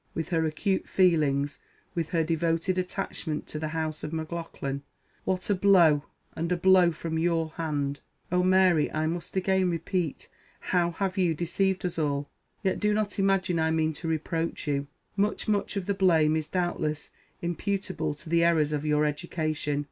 with her acute feelings! with her devoted _attachment _to the house of M'Laughlan! What a blow! and a _blow _from your hand! Oh, Mary, I must again repeat, how have you deceived us all!!! Yet do not imagine I mean to reproach you! Much, much of the blame is _doubtless _imputable to the errors of your education!